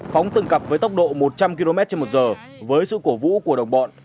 phóng từng cặp với tốc độ một trăm linh kmh với sự cổ vũ của đồng bọn